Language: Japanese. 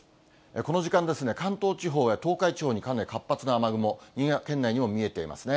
この時間ですね、関東地方や東海地方にかなり活発な雨雲、新潟県内にも見えていますね。